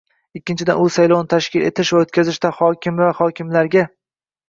Ikkinchidan, u saylovlarni tashkil etish va o'tkazishda hokimlar va hokimiyatlarga ishongan